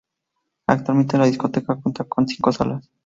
Actualmente, la discoteca cuenta con cinco salas.